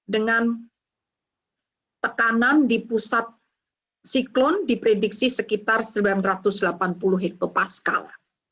dengan tekanan di pusat siklon diprediksi sekitar sembilan ratus delapan puluh hektopaskal